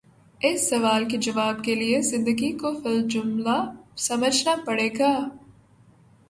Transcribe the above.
اس سوال کے جواب کے لیے زندگی کو فی الجملہ سمجھنا پڑے گا۔